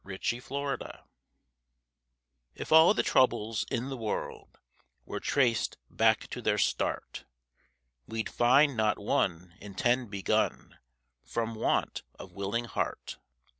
I DIDN'T THINK If all the troubles in the world Were traced back to their start, We'd find not one in ten begun From want of willing heart.